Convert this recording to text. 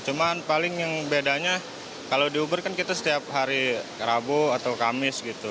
cuma paling yang bedanya kalau di uber kan kita setiap hari rabu atau kamis gitu